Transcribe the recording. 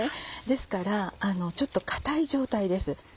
ですからちょっと硬い状態です。